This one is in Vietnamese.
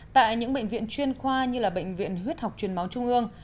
tại những bệnh viện chuyên khoa như bệnh viện huyết học truyền máu trung ương